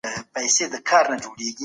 تاسي تل په مینه خبري کوئ.